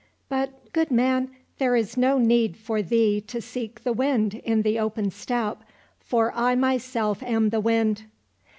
But, good man, there is no need for thee to seek the Wind in the open steppe, for I myself am the Wind."